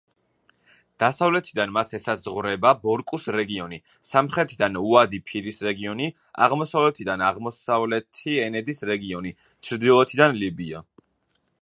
დასავლეთიდან მას ესაზღვრება ბორკუს რეგიონი, სამხრეთიდან უადი-ფირის რეგიონი, აღმოსავლეთიდან აღმოსავლეთი ენედის რეგიონი, ჩრდილოეთიდან ლიბია.